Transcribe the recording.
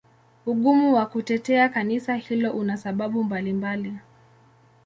Ugumu wa kutetea Kanisa hilo una sababu mbalimbali.